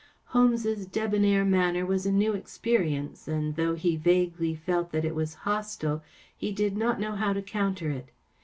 Holmes's debonair manner was a new experience, and though he vaguely felt that it was hostile, he did not know how to counter it.